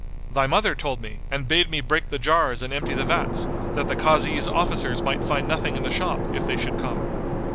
"Thy mother told me, and bade me break the jars and empty the vats, that the Kazi's officers might find nothing in the shop, if they should come."